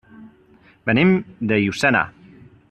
Venim de Llucena.